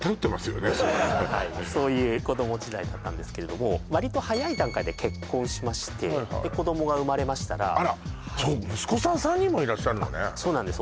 はいそういう子ども時代だったんですけれども割と早い段階で結婚しましてはいはいで子どもが生まれましたらあらそう息子さん３人もいらっしゃるのねそうなんです